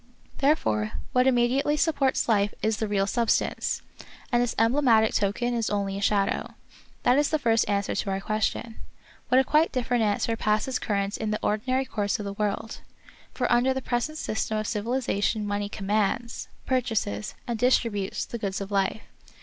Therefore what immediately supports life is the real substance, and its emblematic token is only a shadow. This is the first answer to our question. But a quite different answer passes current in the ordinary course of the world. For under the present system of civilization mon^y commands ^ purchases, and distributes, the goods of life.